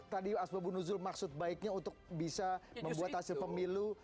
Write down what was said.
tadi asbabunuzul maksud baiknya untuk bisa membuat hasil pemilu